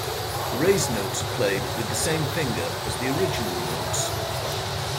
The raised notes are played with the same finger as the original notes.